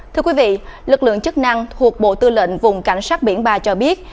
thưa quý vị lực lượng chức năng thuộc bộ tư lệnh vùng cảnh sát biển ba cho biết